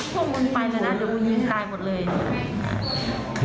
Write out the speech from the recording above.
พวกมึงไปเลยนะเดี๋ยวกูยิงตายหมดเลย